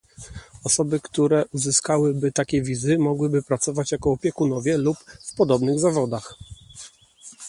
Osoby, które uzyskałyby takie wizy, mogłyby pracować jako opiekunowie lub w podobnych zawodach